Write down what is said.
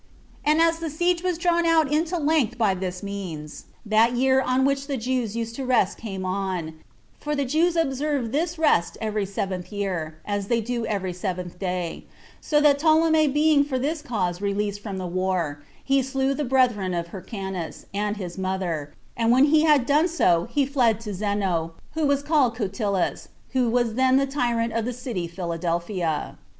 And as the siege was drawn out into length by this means, that year on which the Jews used to rest came on; for the Jews observe this rest every seventh year, as they do every seventh day; so that Ptolemy being for this cause released from the war, 19 he slew the brethren of Hyrcanus, and his mother; and when he had so done, he fled to Zeno, who was called Cotylas, who was then the tyrant of the city Philadelphia.